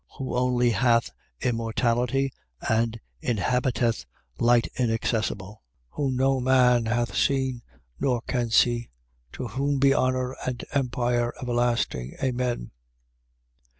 Who only hath immortality and inhabiteth light inaccessible: whom no man hath seen, nor can see: to whom be honour and empire everlasting. Amen.